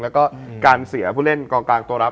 แล้วก็การเสียผู้เล่นกองกลางตัวรับ